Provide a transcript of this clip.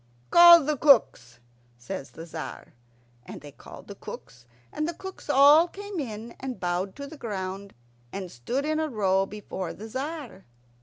"Call the cooks," says the Tzar. And they called the cooks, and the cooks all came in, and bowed to the ground, and stood in a row before the Tzar.